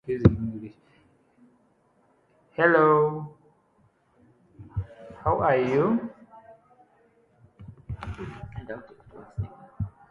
John also lectures and gives talks to top drama schools.